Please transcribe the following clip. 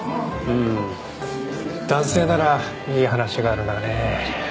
うーん男性ならいい話があるんだがね。